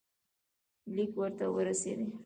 لیک ورته ورسېدی.